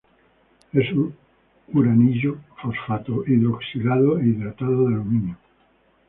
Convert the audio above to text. Es un uranilo-fosfato hidroxilado e hidratado de aluminio.